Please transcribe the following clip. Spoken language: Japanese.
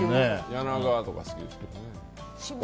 柳川とか好きですけどね。